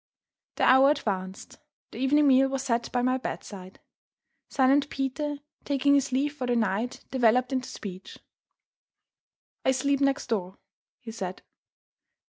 The hour advanced; the evening meal was set by my bedside. Silent Peter, taking his leave for the night, developed into speech. "I sleep next door," he said.